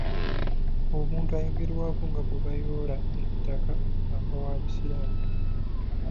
Omuntu ayogerwako nga gwe baayoola ettaka aba wa bisiraani.